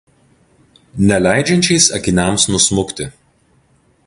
neleidžiančiais akiniams nusmukti